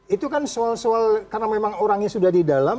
itu kan soal soal karena memang orangnya sudah di dalam